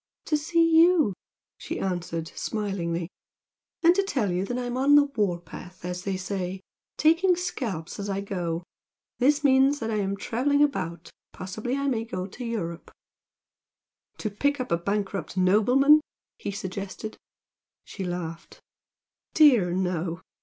"To see you!" she answered smilingly "And to tell you that I'm 'on the war path' as they say, taking scalps as I go. This means that I'm travelling about, possibly I may go to Europe " "To pick up a bankrupt nobleman!" he suggested. She laughed. "Dear, no!